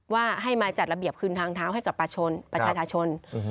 ว่าให้มาจัดระเบียบคืนทางเท้าให้กับประชาชน